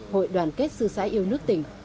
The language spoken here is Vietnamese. hội đoàn kết sư sãi yêu nước tỉnh